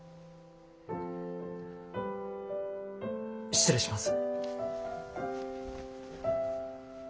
失礼します。